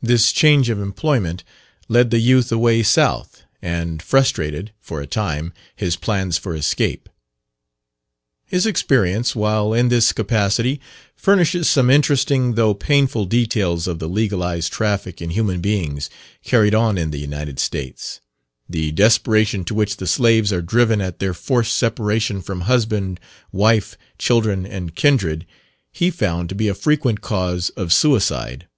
This change of employment led the youth away south and frustrated, for a time, his plans for escape. His experience while in this capacity furnishes some interesting, though painful, details of the legalized traffic in human beings carried on in the United States. The desperation to which the slaves are driven at their forced separation from husband, wife, children, and kindred, he found to be a frequent cause of suicide.